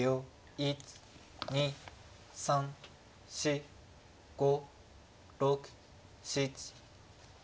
１２３４５６７。